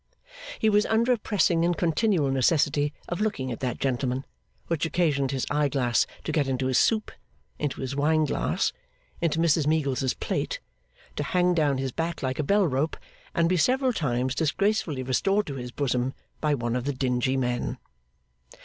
He was under a pressing and continual necessity of looking at that gentleman, which occasioned his eye glass to get into his soup, into his wine glass, into Mrs Meagles's plate, to hang down his back like a bell rope, and be several times disgracefully restored to his bosom by one of the dingy men.